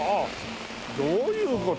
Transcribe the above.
どういう事？